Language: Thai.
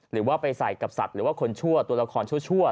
หรือว่าไปใส่กับสัตว์หรือว่าคนชั่วตัวละครชั่ว